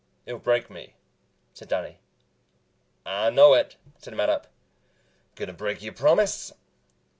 "It'll break me," said Danny. "I know it," said Mattup. "Gonna break your promise?"